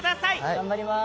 頑張ります。